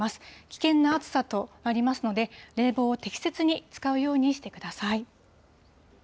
危険な暑さとなりますので、冷房を適切に使うようにしてください。